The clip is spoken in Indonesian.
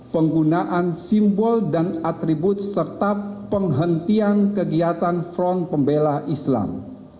penggunaan simbol dan atribut serta penghentian kegiatan front pembela islam